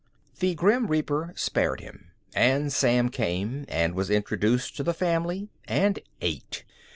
The Grim Reaper spared him, and Sam came, and was introduced to the family, and ate.